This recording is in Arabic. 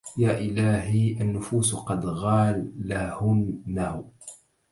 يا إلهي النفوس قد غالهنه